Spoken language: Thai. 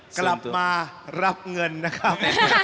กลับมารับเงินนะครับ